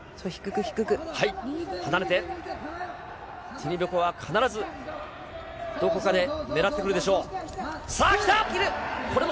ティニベコワは必ずどこかで狙ってくるでしょう。